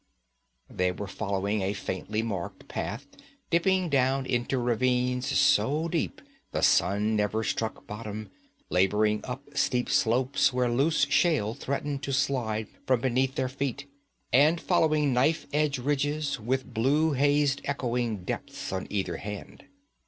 They were following a faintly marked path dipping down into ravines so deep the sun never struck bottom, laboring up steep slopes where loose shale threatened to slide from beneath their feet, and following knife edge ridges with blue hazed echoing depths on either hand.